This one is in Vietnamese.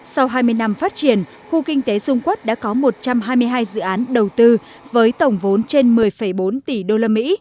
sau hai mươi năm phát triển khu kinh tế dung quốc đã có một trăm hai mươi hai dự án đầu tư với tổng vốn trên một mươi bốn tỷ usd